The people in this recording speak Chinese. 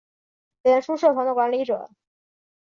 脸书社团的管理者